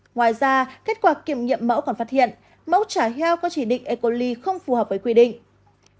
ngoài ra kết quả kiểm nghiệm mẫu còn phát hiện mẫu chả heo có chỉ định e coli không phù hợp với quy định